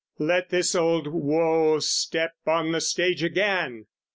Let this old woe step on the stage again!